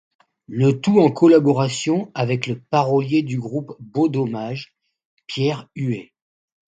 Le tout en collaboration avec le parolier du groupe Beau Dommage, Pierre Huet.